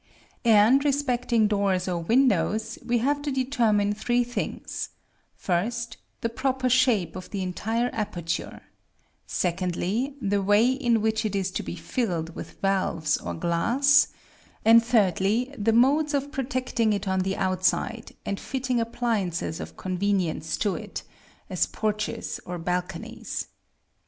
And, respecting doors or windows, we have to determine three things: first, the proper shape of the entire aperture; secondly, the way in which it is to be filled with valves or glass; and thirdly, the modes of protecting it on the outside, and fitting appliances of convenience to it, as porches or balconies.